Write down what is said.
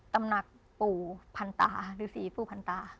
ตำหนักปู่พันตาหรือสีปู่พันตา